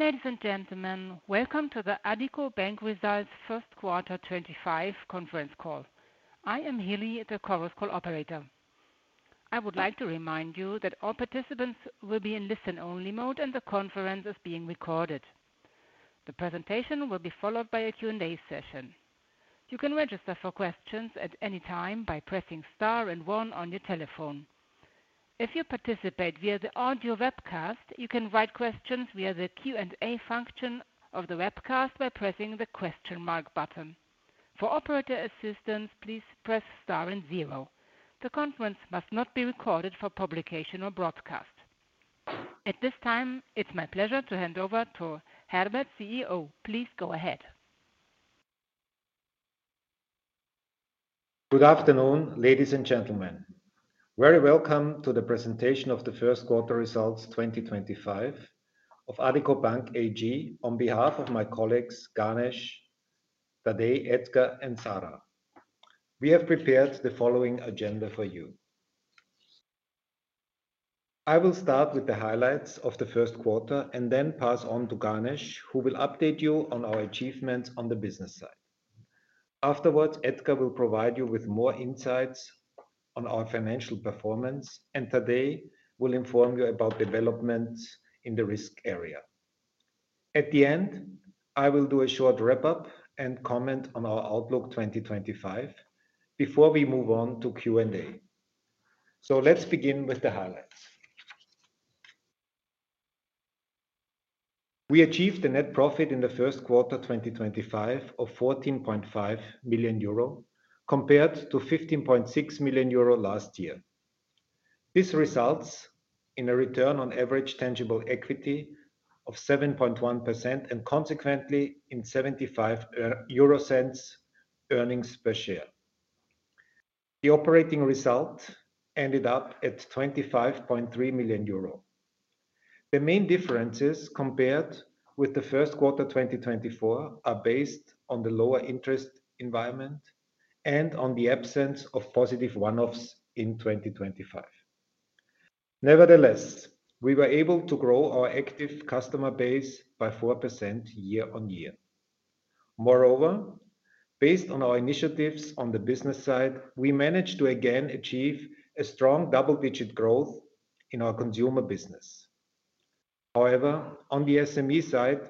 Ladies and gentlemen, welcome to the Addiko Bank Results First Quarter 2025 conference call. I am Haley, the call's call operator. I would like to remind you that all participants will be in listen-only mode and the conference is being recorded. The presentation will be followed by a Q&A session. You can register for questions at any time by pressing star and one on your telephone. If you participate via the audio webcast, you can write questions via the Q&A function of the webcast by pressing the question mark button. For operator assistance, please press star and zero. The conference must not be recorded for publication or broadcast. At this time, it's my pleasure to hand over to Herbert, CEO. Please go ahead. Good afternoon, ladies and gentlemen. Very welcome to the presentation of the first quarter results 2025 of Addiko Bank AG on behalf of my colleagues, Ganesh, Tadej, Edgar, and Sara. We have prepared the following agenda for you. I will start with the highlights of the first quarter and then pass on to Ganesh, who will update you on our achievements on the business side. Afterwards, Edgar will provide you with more insights on our financial performance, and Tadej will inform you about developments in the risk area. At the end, I will do a short wrap-up and comment on our outlook 2025 before we move on to Q&A. Let's begin with the highlights. We achieved a net profit in the first quarter 2025 of 14.5 million euro compared to 15.6 million euro last year. This results in a return on average tangible equity of 7.1% and consequently in 75 euro earnings per share. The operating result ended up at 25.3 million euro. The main differences compared with the first quarter 2024 are based on the lower interest environment and on the absence of positive one-offs in 2025. Nevertheless, we were able to grow our active customer base by 4% year on year. Moreover, based on our initiatives on the business side, we managed to again achieve a strong double-digit growth in our consumer business. However, on the SME side,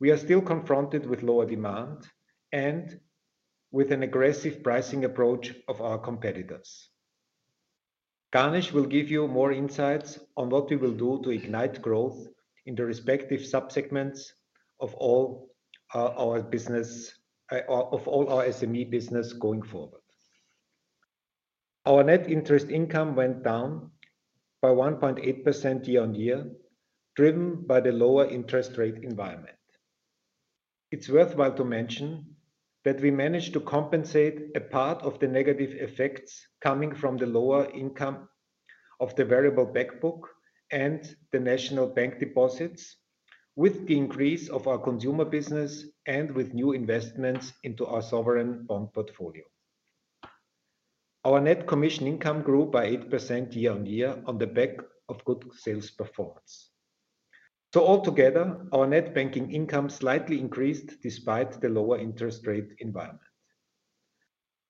we are still confronted with lower demand and with an aggressive pricing approach of our competitors. Ganesh will give you more insights on what we will do to ignite growth in the respective subsegments of all our business, of all our SME business going forward. Our net interest income went down by 1.8% year on year, driven by the lower interest rate environment. It's worthwhile to mention that we managed to compensate a part of the negative effects coming from the lower income of the variable backbook and the national bank deposits with the increase of our consumer business and with new investments into our sovereign bond portfolio. Our net commission income grew by 8% year on year on the back of good sales performance. Altogether, our net banking income slightly increased despite the lower interest rate environment.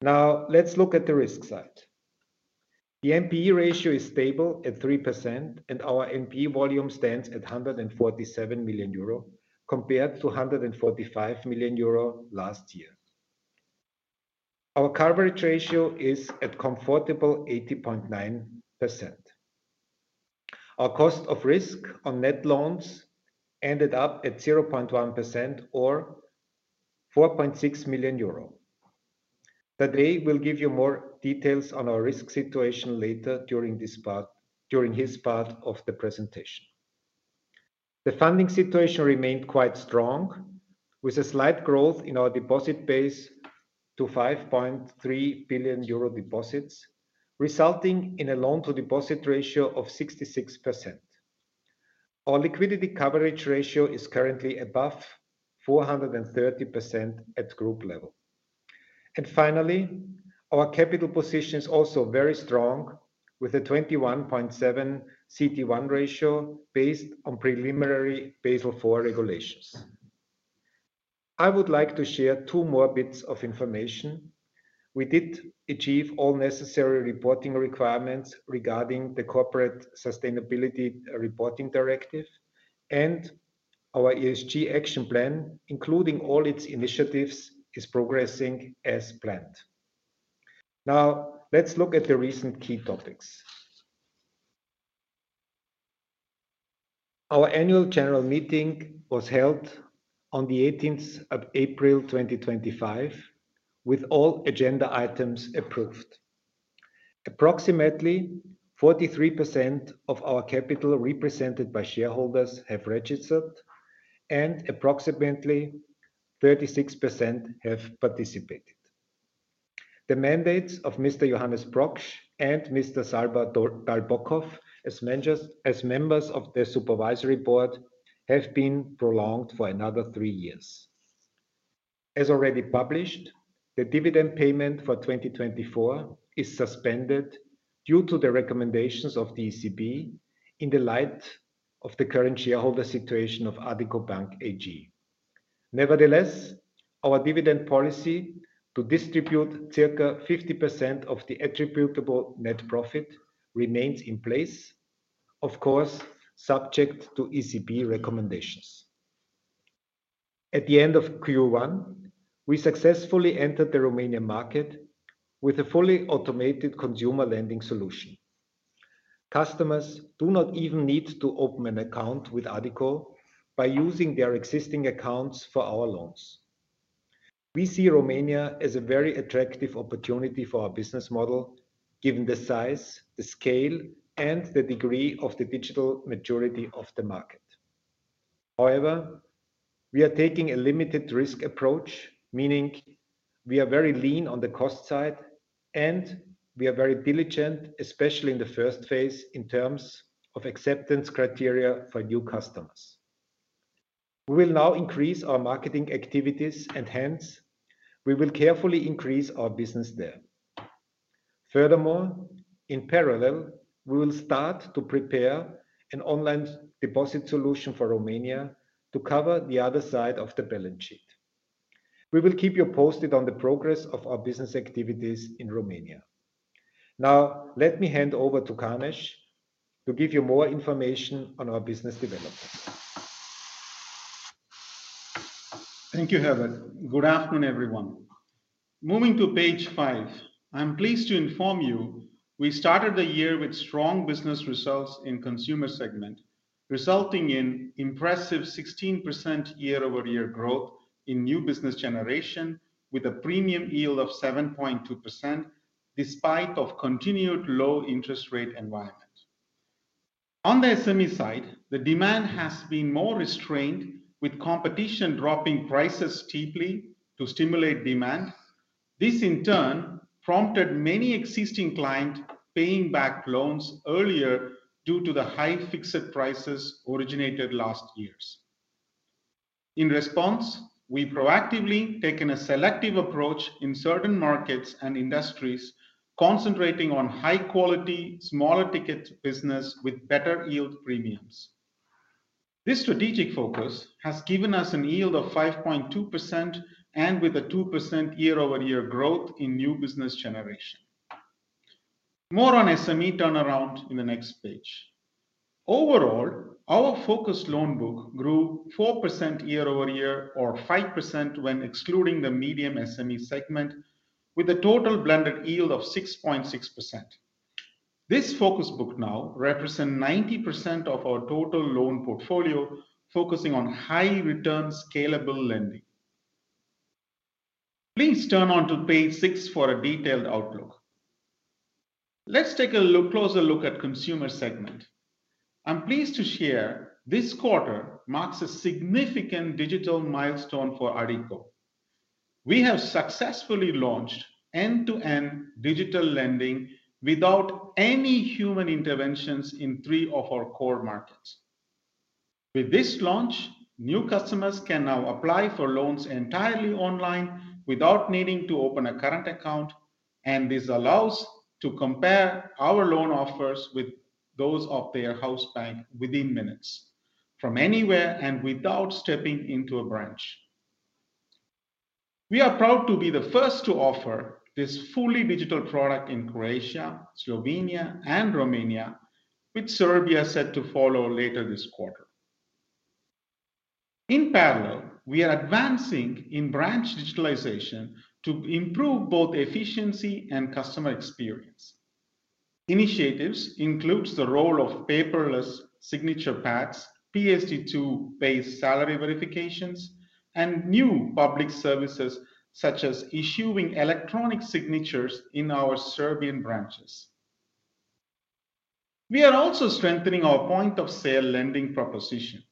Now, let's look at the risk side. The NPE ratio is stable at 3%, and our NPE volume stands at 147 million euro compared to 145 million euro last year. Our coverage ratio is at comfortable 80.9%. Our cost of risk on net loans ended up at 0.1% or 4.6 million euro. Tadej will give you more details on our risk situation later during his part of the presentation. The funding situation remained quite strong, with a slight growth in our deposit base to 5.3 billion euro deposits, resulting in a loan-to-deposit ratio of 66%. Our liquidity coverage ratio is currently above 430% at group level. Finally, our capital position is also very strong with a 21.7% CET1 ratio based on preliminary Basel IV regulations. I would like to share two more bits of information. We did achieve all necessary reporting requirements regarding the Corporate Sustainability Reporting Directive, and our ESG action plan, including all its initiatives, is progressing as planned. Now, let's look at the recent key topics. Our annual general meeting was held on the 18th of April 2025, with all agenda items approved. Approximately 43% of our capital represented by shareholders have registered, and approximately 36% have participated. The mandates of Mr. Johannes Proksch and Mr. Sava Dalbokov as members of the supervisory board have been prolonged for another three years. As already published, the dividend payment for 2024 is suspended due to the recommendations of the ECB in the light of the current shareholder situation of Addiko Bank AG. Nevertheless, our dividend policy to distribute circa 50% of the attributable net profit remains in place, of course, subject to ECB recommendations. At the end of Q1, we successfully entered the Romanian market with a fully automated consumer lending solution. Customers do not even need to open an account with Addiko by using their existing accounts for our loans. We see Romania as a very attractive opportunity for our business model given the size, the scale, and the degree of the digital maturity of the market. However, we are taking a limited risk approach, meaning we are very lean on the cost side, and we are very diligent, especially in the first phase in terms of acceptance criteria for new customers. We will now increase our marketing activities, and hence, we will carefully increase our business there. Furthermore, in parallel, we will start to prepare an online deposit solution for Romania to cover the other side of the balance sheet. We will keep you posted on the progress of our business activities in Romania. Now, let me hand over to Ganesh to give you more information on our business development. Thank you, Herbert. Good afternoon, everyone. Moving to page five, I'm pleased to inform you we started the year with strong business results in the consumer segment, resulting in impressive 16% year-over-year growth in new business generation with a premium yield of 7.2% despite the continued low interest rate environment. On the SME side, the demand has been more restrained, with competition dropping prices steeply to stimulate demand. This, in turn, prompted many existing clients paying back loans earlier due to the high fixed prices originated last year. In response, we have proactively taken a selective approach in certain markets and industries, concentrating on high-quality, smaller ticket business with better yield premiums. This strategic focus has given us a yield of 5.2% and with a 2% year-over-year growth in new business generation. More on SME turnaround in the next page. Overall, our focused loan book grew 4% year-over-year or 5% when excluding the medium SME segment, with a total blended yield of 6.6%. This focus book now represents 90% of our total loan portfolio, focusing on high-return, scalable lending. Please turn on to page six for a detailed outlook. Let's take a closer look at the consumer segment. I'm pleased to share this quarter marks a significant digital milestone for Addiko. We have successfully launched end-to-end digital lending without any human interventions in three of our core markets. With this launch, new customers can now apply for loans entirely online without needing to open a current account, and this allows us to compare our loan offers with those of their house bank within minutes from anywhere and without stepping into a branch. We are proud to be the first to offer this fully digital product in Croatia, Slovenia, and Romania, with Serbia set to follow later this quarter. In parallel, we are advancing in branch digitalization to improve both efficiency and customer experience. Initiatives include the role of paperless signature pads, PSD2-based salary verifications, and new public services such as issuing electronic signatures in our Serbian branches. We are also strengthening our point-of-sale lending proposition,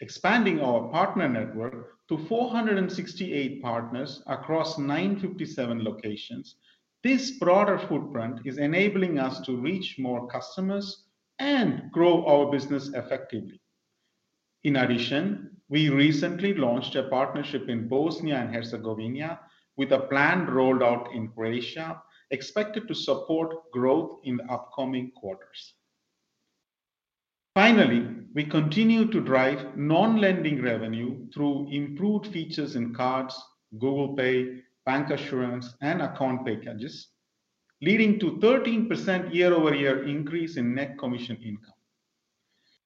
expanding our partner network to 468 partners across 957 locations. This broader footprint is enabling us to reach more customers and grow our business effectively. In addition, we recently launched a partnership in Bosnia and Herzegovina with a plan rolled out in Croatia, expected to support growth in the upcoming quarters. Finally, we continue to drive non-lending revenue through improved features in cards, Google Pay, bank assurance, and account packages, leading to a 13% year-over-year increase in net commission income.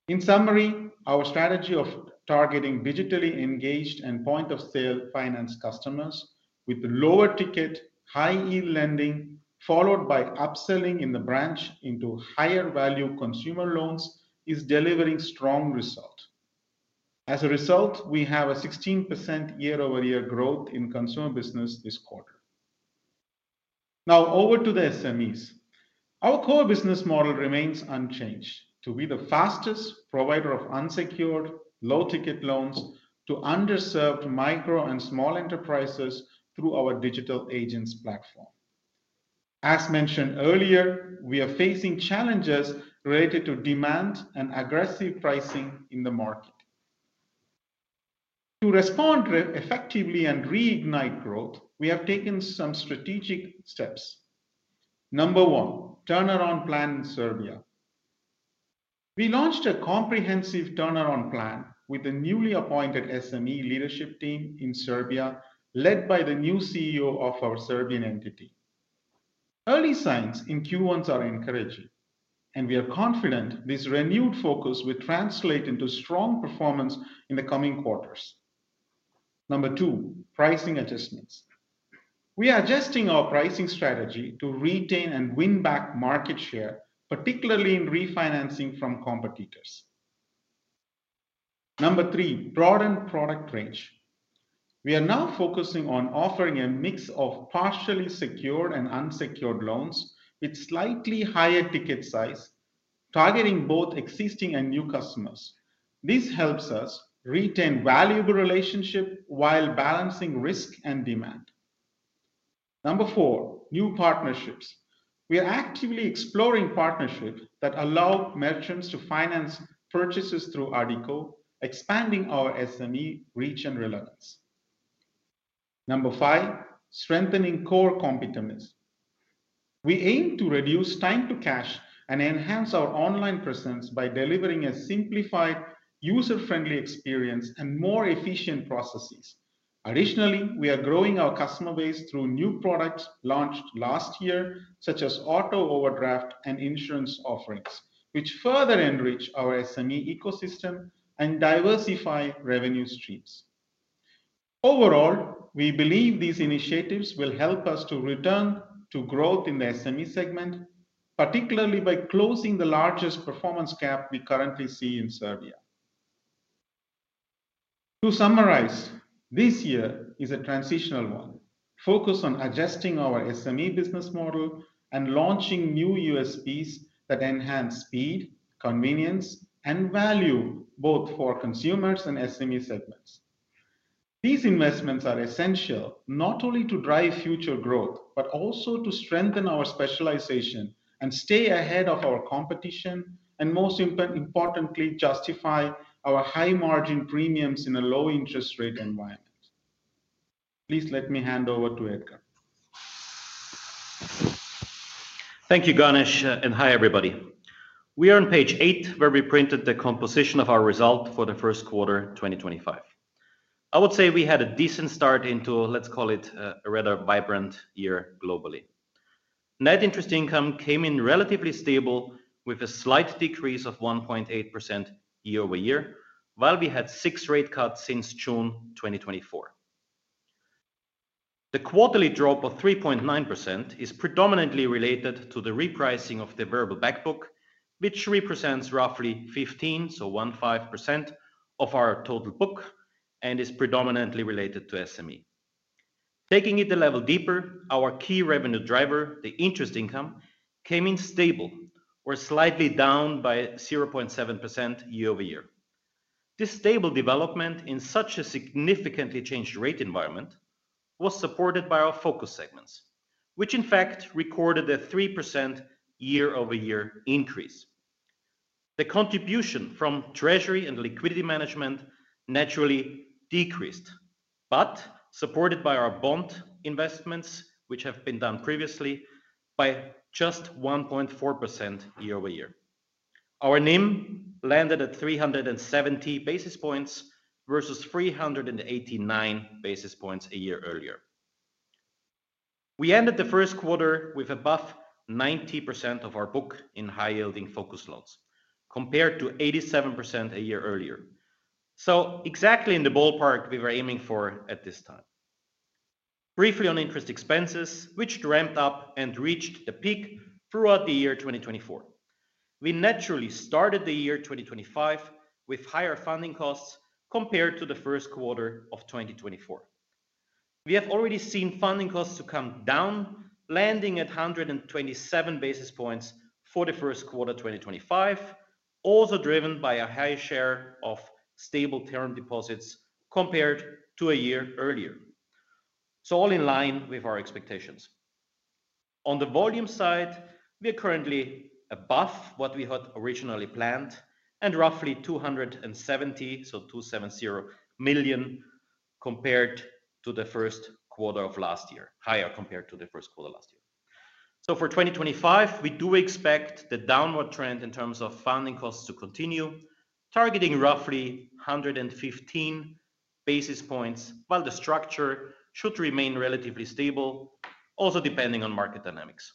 In summary, our strategy of targeting digitally engaged and point-of-sale finance customers with lower ticket, high-yield lending, followed by upselling in the branch into higher-value consumer loans is delivering strong results. As a result, we have a 16% year-over-year growth in consumer business this quarter. Now, over to the SMEs. Our core business model remains unchanged to be the fastest provider of unsecured, low-ticket loans to underserved micro and small enterprises through our digital agents platform. As mentioned earlier, we are facing challenges related to demand and aggressive pricing in the market. To respond effectively and reignite growth, we have taken some strategic steps. Number one, turnaround plan in Serbia. We launched a comprehensive turnaround plan with the newly appointed SME leadership team in Serbia, led by the new CEO of our Serbian entity. Early signs in Q1 are encouraging, and we are confident this renewed focus will translate into strong performance in the coming quarters. Number two, pricing adjustments. We are adjusting our pricing strategy to retain and win back market share, particularly in refinancing from competitors. Number three, broaden product range. We are now focusing on offering a mix of partially secured and unsecured loans with slightly higher ticket size, targeting both existing and new customers. This helps us retain valuable relationships while balancing risk and demand. Number four, new partnerships. We are actively exploring partnerships that allow merchants to finance purchases through Addiko, expanding our SME reach and relevance. Number five, strengthening core competitiveness. We aim to reduce time to cash and enhance our online presence by delivering a simplified, user-friendly experience and more efficient processes. Additionally, we are growing our customer base through new products launched last year, such as auto overdraft and insurance offerings, which further enrich our SME ecosystem and diversify revenue streams. Overall, we believe these initiatives will help us to return to growth in the SME segment, particularly by closing the largest performance gap we currently see in Serbia. To summarize, this year is a transitional one. Focus on adjusting our SME business model and launching new USPs that enhance speed, convenience, and value both for consumers and SME segments. These investments are essential not only to drive future growth, but also to strengthen our specialization and stay ahead of our competition, and most importantly, justify our high-margin premiums in a low-interest rate environment. Please let me hand over to Edgar. Thank you, Ganesh, and hi, everybody. We are on page eight where we printed the composition of our result for the first quarter 2025. I would say we had a decent start into, let's call it, a rather vibrant year globally. Net interest income came in relatively stable with a slight decrease of 1.8% year-over-year, while we had six rate cuts since June 2024. The quarterly drop of 3.9% is predominantly related to the repricing of the variable backbook, which represents roughly 15%, so 15% of our total book, and is predominantly related to SME. Taking it a level deeper, our key revenue driver, the interest income, came in stable, or slightly down by 0.7% year-over-year. This stable development in such a significantly changed rate environment was supported by our focus segments, which in fact recorded a 3% year-over-year increase. The contribution from Treasury and liquidity management naturally decreased, but supported by our bond investments, which have been done previously, by just 1.4% year-over-year. Our NIM landed at 370 basis points versus 389 basis points a year earlier. We ended the first quarter with above 90% of our book in high-yielding focus loans compared to 87% a year earlier. Exactly in the ballpark we were aiming for at this time. Briefly on interest expenses, which ramped up and reached the peak throughout the year 2024. We naturally started the year 2025 with higher funding costs compared to the first quarter of 2024. We have already seen funding costs come down, landing at 127 basis points for the first quarter 2025, also driven by a high share of stable term deposits compared to a year earlier. All in line with our expectations. On the volume side, we are currently above what we had originally planned and roughly 270 million, so 270 million compared to the first quarter of last year, higher compared to the first quarter last year. For 2025, we do expect the downward trend in terms of funding costs to continue, targeting roughly 115 basis points, while the structure should remain relatively stable, also depending on market dynamics.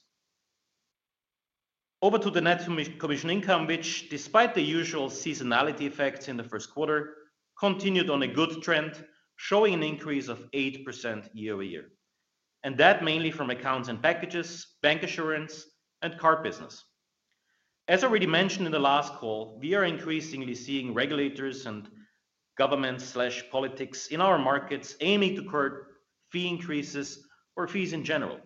Over to the net commission income, which, despite the usual seasonality effects in the first quarter, continued on a good trend, showing an increase of 8% year-over-year, and that mainly from accounts and packages, bank assurance, and card business. As already mentioned in the last call, we are increasingly seeing regulators and governments/politics in our markets aiming to curb fee increases or fees in general.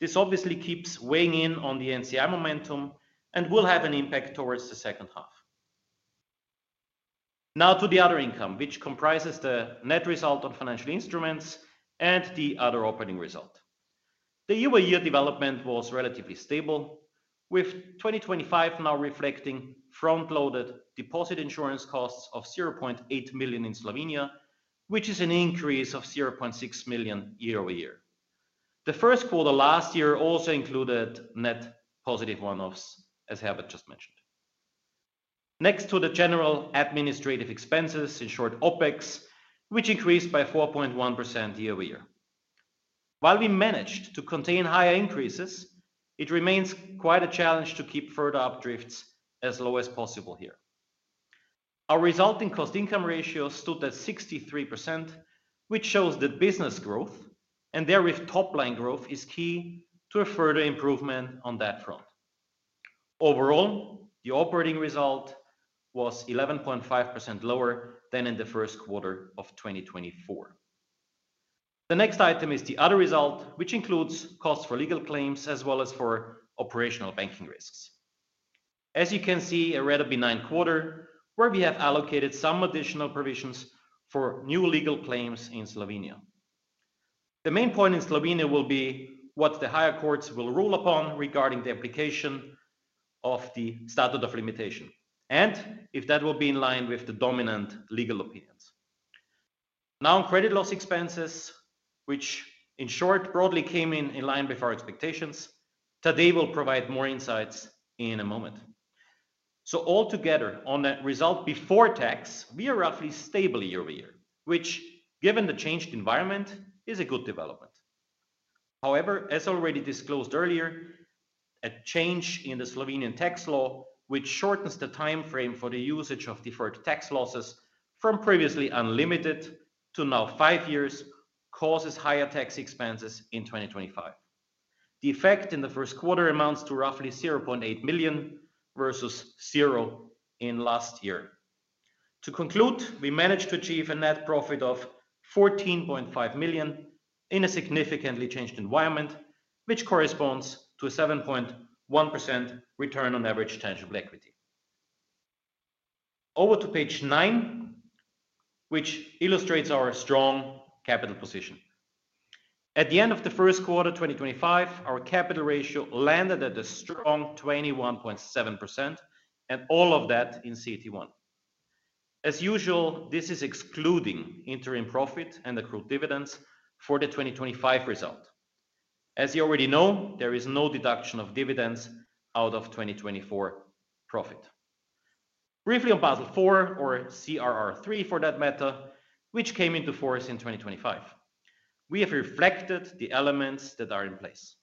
This obviously keeps weighing in on the NCI momentum and will have an impact towards the second half. Now to the other income, which comprises the net result on financial instruments and the other operating result. The year-over-year development was relatively stable, with 2025 now reflecting front-loaded deposit insurance costs of 0.8 million in Slovenia, which is an increase of 0.6 million year-over-year. The first quarter last year also included net positive one-offs, as Herbert just mentioned. Next to the general administrative expenses, in short, OPEX, which increased by 4.1% year-over-year. While we managed to contain higher increases, it remains quite a challenge to keep further updrifts as low as possible here. Our resulting cost-income ratio stood at 63%, which shows that business growth and therewith top-line growth is key to a further improvement on that front. Overall, the operating result was 11.5% lower than in the first quarter of 2024. The next item is the other result, which includes costs for legal claims as well as for operational banking risks. As you can see, a rather benign quarter where we have allocated some additional provisions for new legal claims in Slovenia. The main point in Slovenia will be what the higher courts will rule upon regarding the application of the statute of limitation and if that will be in line with the dominant legal opinions. Now on credit loss expenses, which in short, broadly came in in line with our expectations. Today we'll provide more insights in a moment. Altogether on that result before tax, we are roughly stable year-over-year, which, given the changed environment, is a good development. However, as already disclosed earlier, a change in the Slovenian tax law, which shortens the timeframe for the usage of deferred tax losses from previously unlimited to now five years, causes higher tax expenses in 2025. The effect in the first quarter amounts to roughly 0.8 million versus zero in last year. To conclude, we managed to achieve a net profit of 14.5 million in a significantly changed environment, which corresponds to a 7.1% return on average tangible equity. Over to page nine, which illustrates our strong capital position. At the end of the first quarter 2025, our capital ratio landed at a strong 21.7%, and all of that in CET1. As usual, this is excluding interim profit and accrued dividends for the 2025 result. As you already know, there is no deduction of dividends out of 2024 profit. Briefly on Basel IV, or CRR III for that matter, which came into force in 2025. We have reflected the elements that are in place.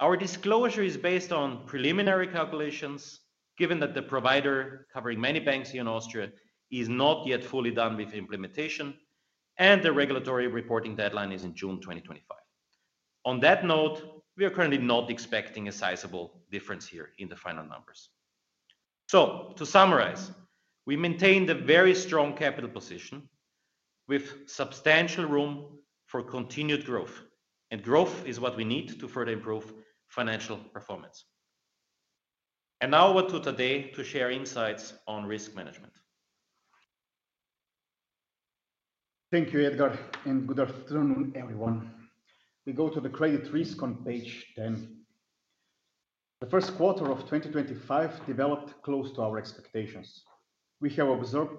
Our disclosure is based on preliminary calculations, given that the provider covering many banks here in Austria is not yet fully done with implementation, and the regulatory reporting deadline is in June 2025. On that note, we are currently not expecting a sizable difference here in the final numbers. To summarize, we maintain the very strong capital position with substantial room for continued growth, and growth is what we need to further improve financial performance. Now over to Tadej to share insights on risk management. Thank you, Edgar, and good afternoon, everyone. We go to the credit risk on page 10. The first quarter of 2025 developed close to our expectations. We have observed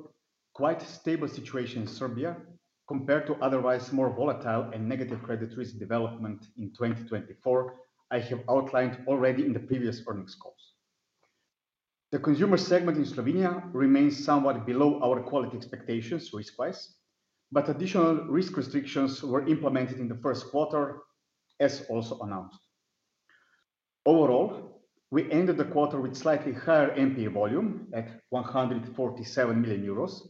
quite a stable situation in Serbia compared to otherwise more volatile and negative credit risk development in 2024, I have outlined already in the previous earnings calls. The consumer segment in Slovenia remains somewhat below our quality expectations risk-wise, but additional risk restrictions were implemented in the first quarter, as also announced. Overall, we ended the quarter with slightly higher NPA volume at 147 million euros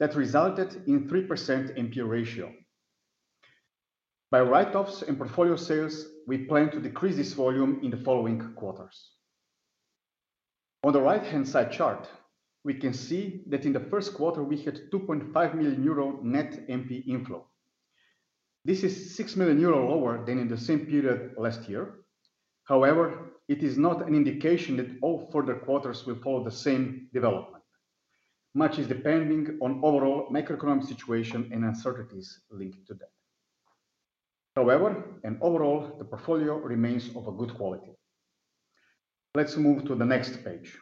that resulted in a 3% NPA ratio. By write-offs and portfolio sales, we plan to decrease this volume in the following quarters. On the right-hand side chart, we can see that in the first quarter, we had 2.5 million euro net NPA inflow. This is 6 million euro lower than in the same period last year. However, it is not an indication that all further quarters will follow the same development, much as depending on overall macroeconomic situation and uncertainties linked to that. However, and overall, the portfolio remains of good quality. Let's move to the next page.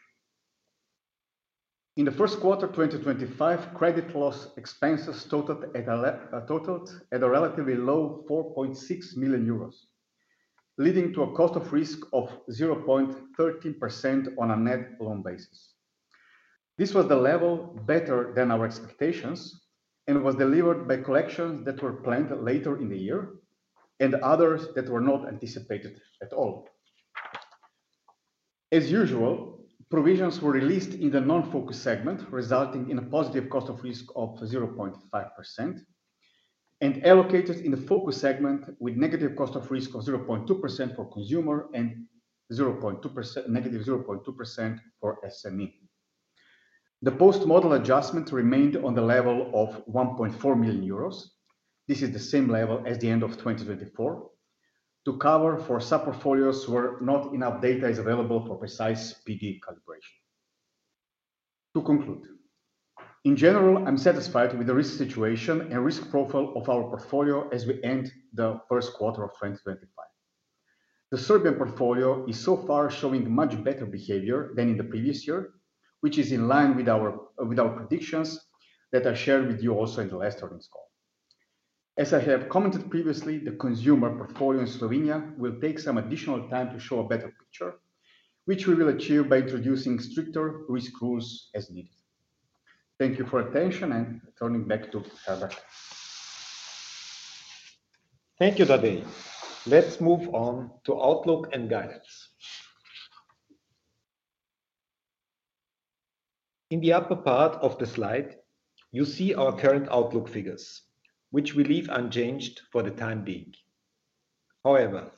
In the first quarter 2025, credit loss expenses totaled at a relatively low 4.6 million euros, leading to a cost of risk of 0.13% on a net loan basis. This was the level better than our expectations and was delivered by collections that were planned later in the year and others that were not anticipated at all. As usual, provisions were released in the non-focus segment, resulting in a positive cost of risk of 0.5% and allocated in the focus segment with negative cost of risk of 0.2% for consumer and negative 0.2% for SME. The post-model adjustment remained on the level of 1.4 million euros. This is the same level as the end of 2024. To cover for sub-portfolios where not enough data is available for precise PD calibration. To conclude, in general, I'm satisfied with the risk situation and risk profile of our portfolio as we end the first quarter of 2025. The Serbian portfolio is so far showing much better behavior than in the previous year, which is in line with our predictions that I shared with you also in the last earnings call. As I have commented previously, the consumer portfolio in Slovenia will take some additional time to show a better picture, which we will achieve by introducing stricter risk rules as needed. Thank you for attention and turning back to Herbert. Thank you, Tadej. Let's move on to outlook and guidance. In the upper part of the slide, you see our current outlook figures, which we leave unchanged for the time being. However,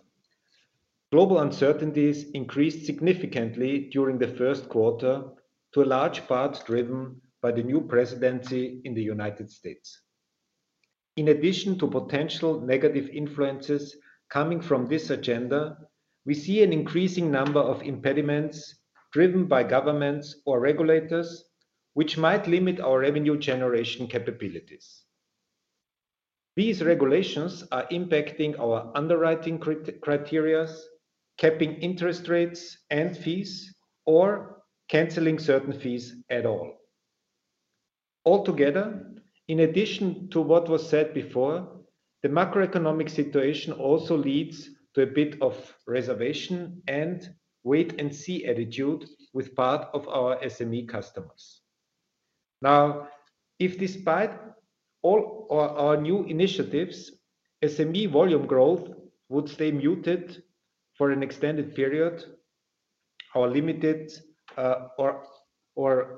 global uncertainties increased significantly during the first quarter to a large part driven by the new presidency in the U.S. In addition to potential negative influences coming from this agenda, we see an increasing number of impediments driven by governments or regulators, which might limit our revenue generation capabilities. These regulations are impacting our underwriting criteria, capping interest rates and fees, or canceling certain fees at all. Altogether, in addition to what was said before, the macroeconomic situation also leads to a bit of reservation and wait-and-see attitude with part of our SME customers. Now, if despite all our new initiatives, SME volume growth would stay muted for an extended period, our limited or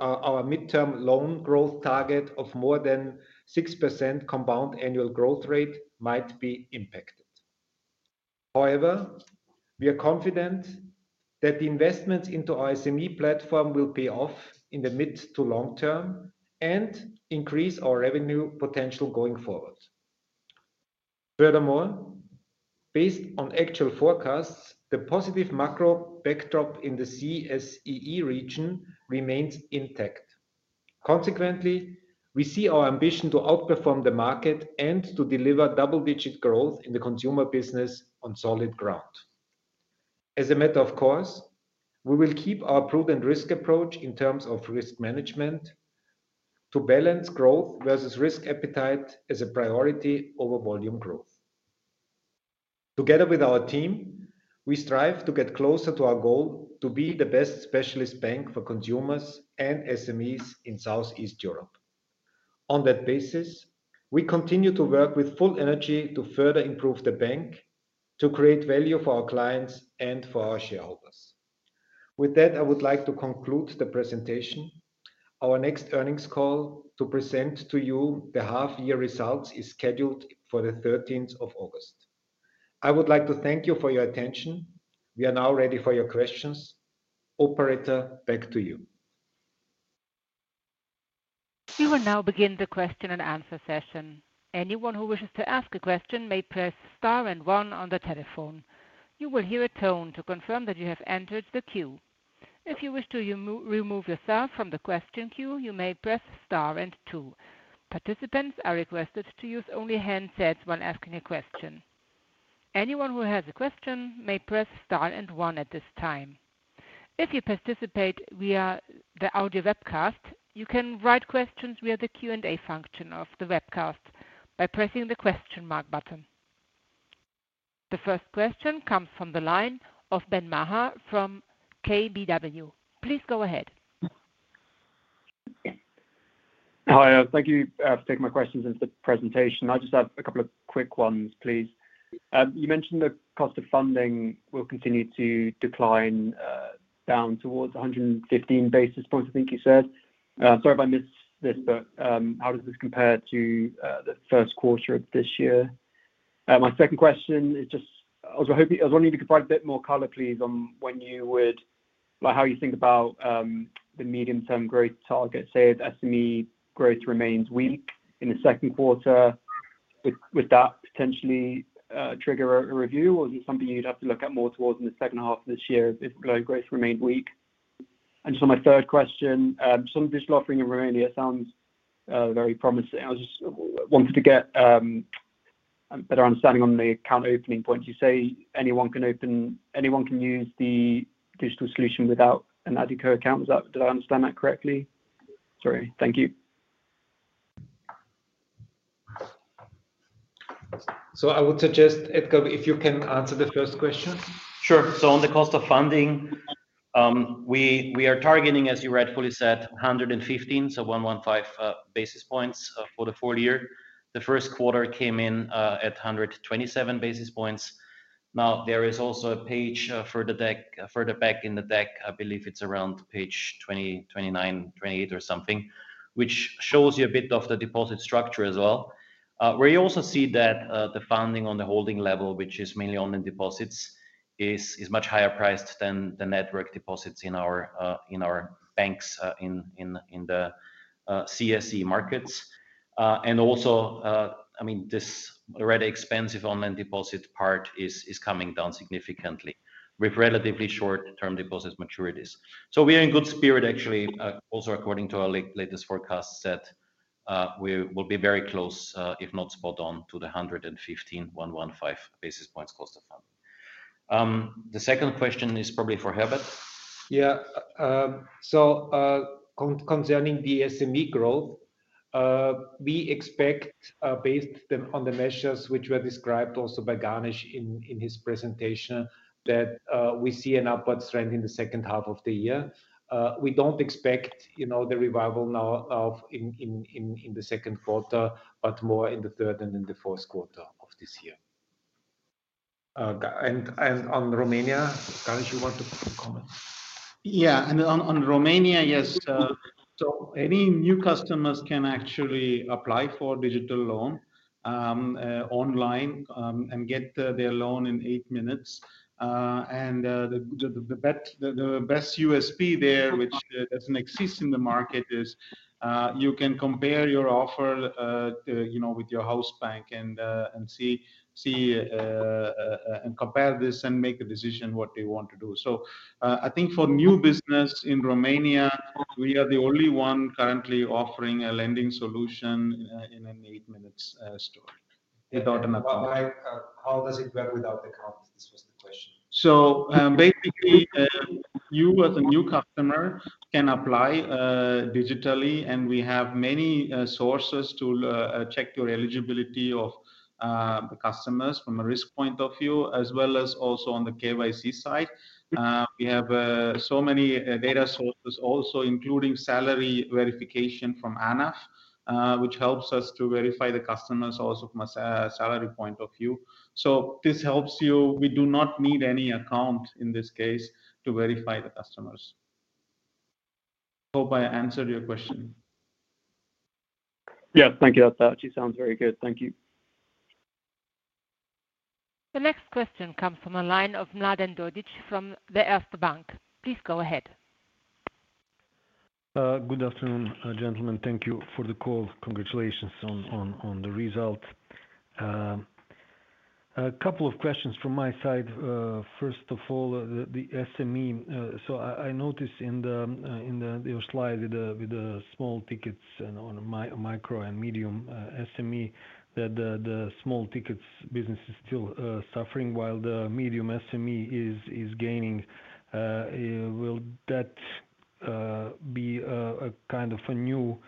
our midterm loan growth target of more than 6% compound annual growth rate might be impacted. However, we are confident that the investments into our SME platform will pay off in the mid to long term and increase our revenue potential going forward. Furthermore, based on actual forecasts, the positive macro backdrop in the CSEE region remains intact. Consequently, we see our ambition to outperform the market and to deliver double-digit growth in the consumer business on solid ground. As a matter of course, we will keep our prudent risk approach in terms of risk management to balance growth versus risk appetite as a priority over volume growth. Together with our team, we strive to get closer to our goal to be the best specialist bank for consumers and SMEs in Southeast Europe. On that basis, we continue to work with full energy to further improve the bank, to create value for our clients and for our shareholders. With that, I would like to conclude the presentation. Our next earnings call to present to you the half-year results is scheduled for the 13th of August. I would like to thank you for your attention. We are now ready for your questions. Operator, back to you. We will now begin the question and answer session. Anyone who wishes to ask a question may press star and one on the telephone. You will hear a tone to confirm that you have entered the queue. If you wish to remove yourself from the question queue, you may press star and two. Participants are requested to use only handsets when asking a question. Anyone who has a question may press star and one at this time. If you participate via the audio webcast, you can write questions via the Q&A function of the webcast by pressing the question mark button. The first question comes from the line of Ben Maher from KBW. Please go ahead. Hi, thank you for taking my questions into the presentation. I just have a couple of quick ones, please. You mentioned the cost of funding will continue to decline down towards 115 basis points, I think you said. Sorry if I missed this, but how does this compare to the first quarter of this year? My second question is just I was wondering if you could provide a bit more color, please, on when you would like how you think about the medium-term growth target, say if SME growth remains weak in the second quarter. Would that potentially trigger a review, or is it something you'd have to look at more towards in the second half of this year if growth remained weak? Just on my third question, some digital offering in Romania, it sounds very promising. I just wanted to get a better understanding on the account opening point. You say anyone can use the digital solution without an Addiko account. Did I understand that correctly? Sorry. Thank you. I would suggest, Edgar, if you can answer the first question. Sure. On the cost of funding, we are targeting, as you rightfully said, 115, so 115 basis points for the full year. The first quarter came in at 127 basis points. There is also a page further back in the deck, I believe it is around page 20, 29, 28 or something, which shows you a bit of the deposit structure as well, where you also see that the funding on the holding level, which is mainly online deposits, is much higher priced than the network deposits in our banks in the CSE markets. I mean, this already expensive online deposit part is coming down significantly with relatively short-term deposit maturities. We are in good spirit, actually, also according to our latest forecasts that we will be very close, if not spot on, to the 115, 115 basis points cost of funding. The second question is probably for Herbert. Yeah. So concerning the SME growth, we expect, based on the measures which were described also by Ganesh in his presentation, that we see an upward trend in the second half of the year. We do not expect the revival now in the second quarter, but more in the third and in the fourth quarter of this year. On Romania, Ganesh, you want to comment? Yeah. On Romania, yes. Any new customers can actually apply for a digital loan online and get their loan in eight minutes. The best USP there, which does not exist in the market, is you can compare your offer with your host bank and see and compare this and make a decision what they want to do. I think for new business in Romania, we are the only one currently offering a lending solution in an eight-minute story without an account. How does it work without the account? This was the question. Basically, you as a new customer can apply digitally, and we have many sources to check your eligibility of the customers from a risk point of view, as well as also on the KYC side. We have so many data sources also, including salary verification from ANAF, which helps us to verify the customers also from a salary point of view. This helps you. We do not need any account in this case to verify the customers. Hope I answered your question. Yeah. Thank you. Sounds very good. Thank you. The next question comes from a line of Mladen Dodig from the Erste Bank. Please go ahead. Good afternoon, gentlemen. Thank you for the call. Congratulations on the result. A couple of questions from my side. First of all, the SME, so I noticed in your slide with the small tickets and on micro and medium SME that the small tickets business is still suffering, while the medium SME is gaining. Will that be a kind of a new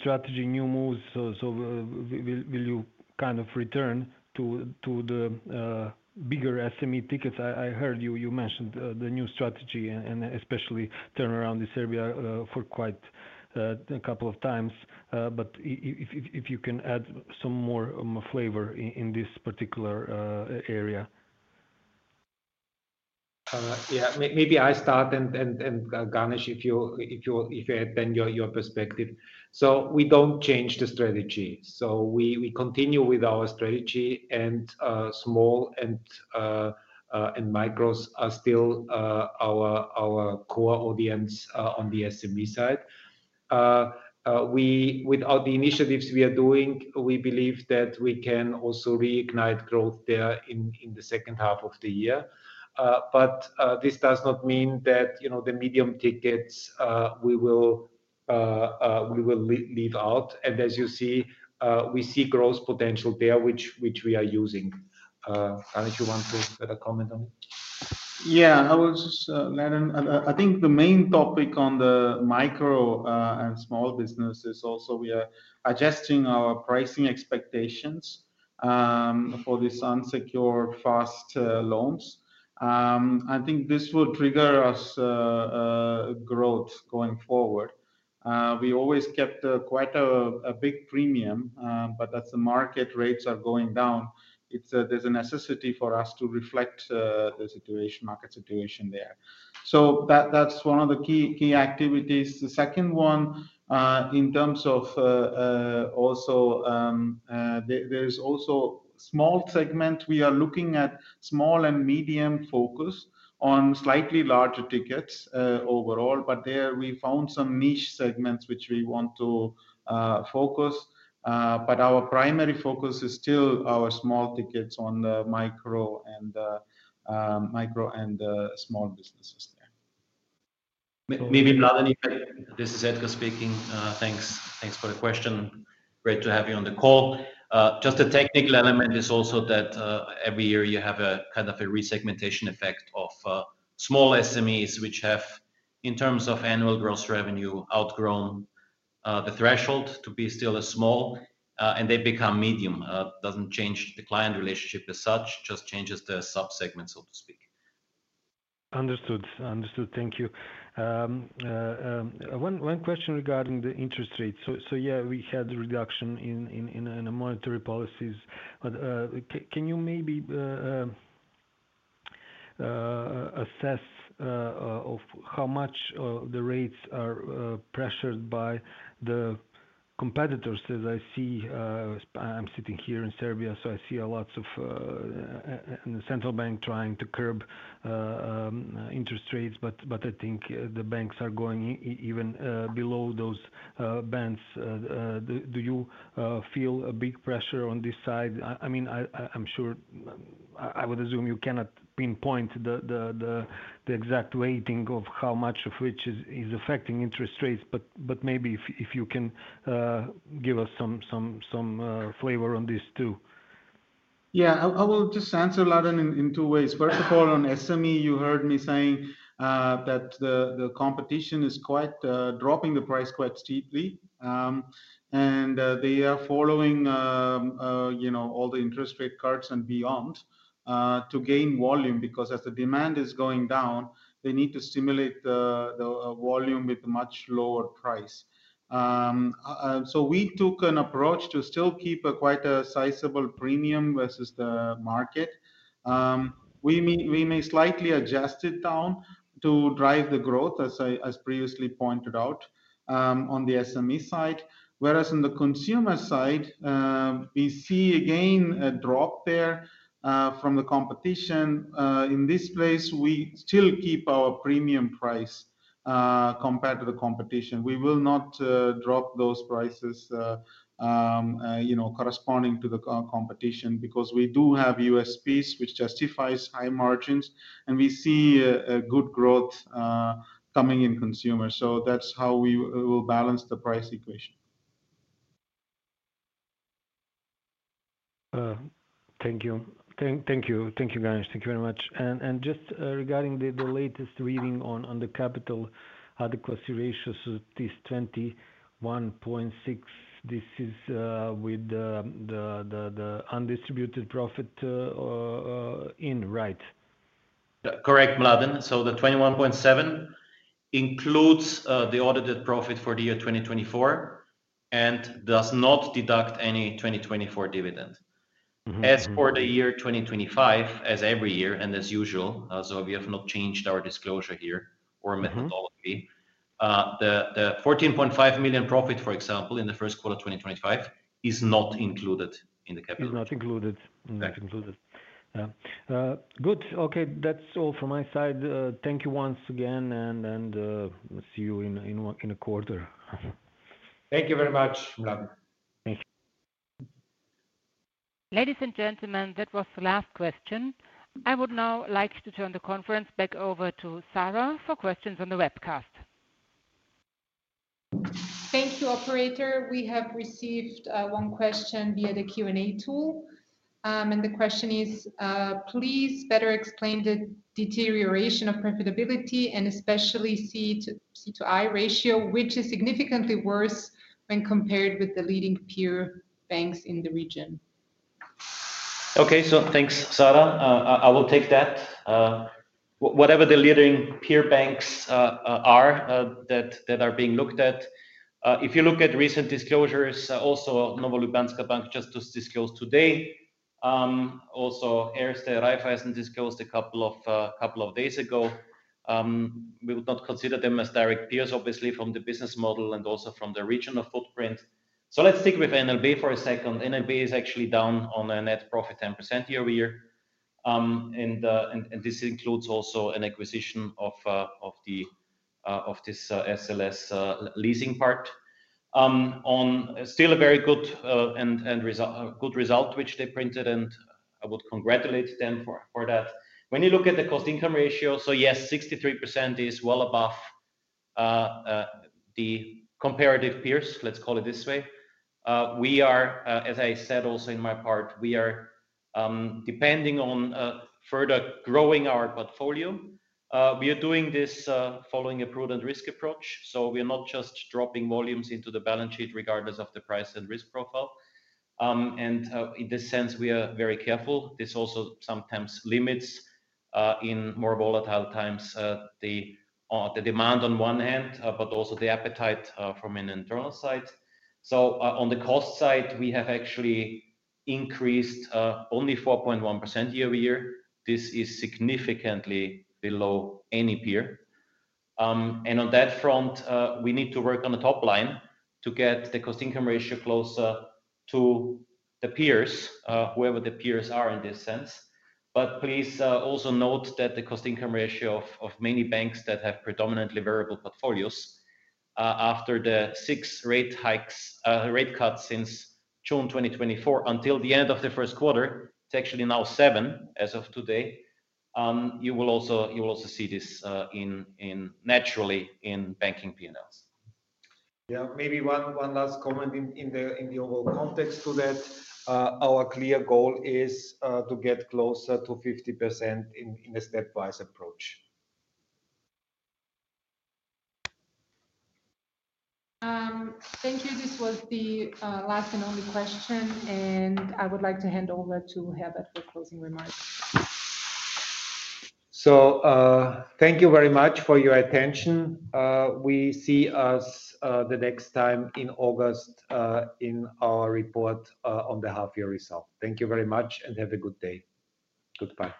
strategy, new moves? Will you kind of return to the bigger SME tickets? I heard you mentioned the new strategy and especially turn around this area for quite a couple of times. If you can add some more flavor in this particular area. Yeah. Maybe I start and Ganesh, if you add then your perspective. We do not change the strategy. We continue with our strategy, and small and micros are still our core audience on the SME side. Without the initiatives we are doing, we believe that we can also reignite growth there in the second half of the year. This does not mean that the medium tickets we will leave out. As you see, we see growth potential there, which we are using. Ganesh, you want to add a comment on it? Yeah. I was just learning. I think the main topic on the micro and small business is also we are adjusting our pricing expectations for these unsecured fast loans. I think this will trigger us growth going forward. We always kept quite a big premium, but as the market rates are going down, there is a necessity for us to reflect the market situation there. That is one of the key activities. The second one, in terms of also there is also small segment. We are looking at small and medium focus on slightly larger tickets overall, but there we found some niche segments which we want to focus. Our primary focus is still our small tickets on the micro and small businesses there. Maybe Mladen here. This is Edgar speaking. Thanks for the question. Great to have you on the call. Just a technical element is also that every year you have a kind of a resegmentation effect of small SMEs, which have, in terms of annual gross revenue, outgrown the threshold to be still small, and they become medium. It does not change the client relationship as such, just changes the subsegment, so to speak. Understood. Understood. Thank you. One question regarding the interest rates. Yeah, we had a reduction in monetary policies. Can you maybe assess how much the rates are pressured by the competitors? As I see, I'm sitting here in Serbia, so I see lots of central banks trying to curb interest rates, but I think the banks are going even below those bands. Do you feel a big pressure on this side? I mean, I'm sure I would assume you cannot pinpoint the exact weighting of how much of which is affecting interest rates, but maybe if you can give us some flavor on this too. Yeah. I will just answer Mladen in two ways. First of all, on SME, you heard me saying that the competition is quite dropping the price quite steeply, and they are following all the interest rate curbs and beyond to gain volume because as the demand is going down, they need to stimulate the volume with a much lower price. We took an approach to still keep quite a sizable premium versus the market. We may slightly adjust it down to drive the growth, as previously pointed out on the SME side, whereas on the consumer side, we see again a drop there from the competition. In this place, we still keep our premium price compared to the competition. We will not drop those prices corresponding to the competition because we do have USPs, which justifies high margins, and we see good growth coming in consumers. That's how we will balance the price equation. Thank you. Thank you, Ganesh. Thank you very much. Just regarding the latest reading on the capital adequacy ratio, this 21.6, this is with the undistributed profit in, right? Correct, Mladen. The 21.7% includes the audited profit for the year 2024 and does not deduct any 2024 dividend. As for the year 2025, as every year and as usual, we have not changed our disclosure here or methodology, the 14.5 million profit, for example, in the first quarter of 2025 is not included in the capital. Is not included. Not included. Good. Okay. That's all from my side. Thank you once again, and see you in a quarter. Thank you very much, Mladen. Thank you. Ladies and gentlemen, that was the last question. I would now like to turn the conference back over to Sara for questions on the webcast. Thank you, Operator. We have received one question via the Q&A tool. The question is, please better explain the deterioration of profitability and especially C2I ratio, which is significantly worse when compared with the leading peer banks in the region. Okay. Thanks, Sara. I will take that. Whatever the leading peer banks are that are being looked at, if you look at recent disclosures, also NLB just disclosed today. Also, Erste-Raiffeisen disclosed a couple of days ago. We would not consider them as direct peers, obviously, from the business model and also from the regional footprint. Let's stick with NLB for a second. NLB is actually down on a net profit 10% year over year. This includes also an acquisition of this SLS leasing part. Still a very good result, which they printed, and I would congratulate them for that. When you look at the cost-income ratio, yes, 63% is well above the comparative peers, let's call it this way. We are, as I said also in my part, depending on further growing our portfolio. We are doing this following a prudent risk approach. We are not just dropping volumes into the balance sheet regardless of the price and risk profile. In this sense, we are very careful. This also sometimes limits in more volatile times the demand on one hand, but also the appetite from an internal side. On the cost side, we have actually increased only 4.1% year over year. This is significantly below any peer. On that front, we need to work on the top line to get the cost-income ratio closer to the peers, whoever the peers are in this sense. Please also note that the cost-income ratio of many banks that have predominantly variable portfolios after the six rate cuts since June 2024 until the end of the first quarter, it is actually now seven as of today. You will also see this naturally in banking P&Ls. Yeah. Maybe one last comment in the overall context to that. Our clear goal is to get closer to 50% in a stepwise approach. Thank you. This was the last and only question, and I would like to hand over to Herbert for closing remarks. Thank you very much for your attention. We see us the next time in August in our report on the half-year result. Thank you very much and have a good day. Goodbye.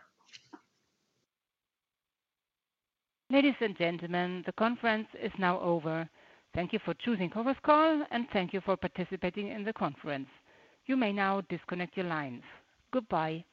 Ladies and gentlemen, the conference is now over. Thank you for choosing Chorvus Call, and thank you for participating in the conference. You may now disconnect your lines. Goodbye.